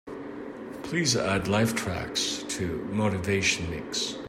Please add Lifetracks to motivation mix